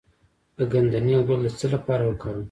د ګندنه ګل د څه لپاره وکاروم؟